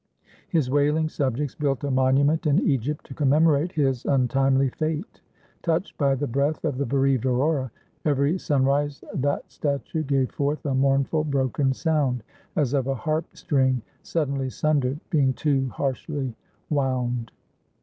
His wailing subjects built a monument in Egypt to commemorate his untimely fate. Touched by the breath of the bereaved Aurora, every sunrise that statue gave forth a mournful broken sound, as of a harp string suddenly sundered, being too harshly wound.